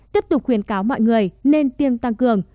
tiếp tục khuyến cáo mọi người nên tiêm tăng cường